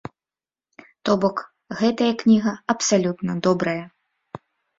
То бок, гэтая кніга абсалютна добрая.